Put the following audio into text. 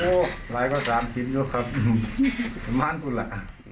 โอ้ไหลก็๓ชิ้นด้วยครับมั่นสุดแหละ